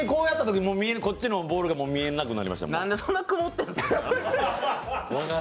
腕でボールが見えなくなりましたもん。